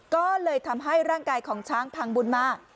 ก็เลยทำให้ร่างกายของช้างพังบุญมา